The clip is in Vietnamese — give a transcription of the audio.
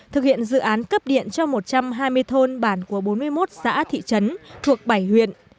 thực hiện dự án cấp điện cho một trăm hai mươi thôn bản của bốn mươi một xã thị trấn thuộc bảy huyện